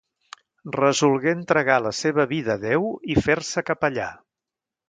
Resolgué entregar la seva vida a Déu i fer-se capellà.